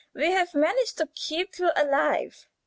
We have managed to keep you alive."